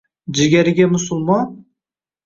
Jigariga musulmon?